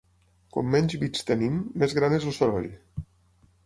Com menys bits tenim, més gran és el soroll.